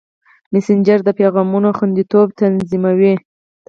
مسېنجر د پیغامونو خوندیتوب تضمینوي.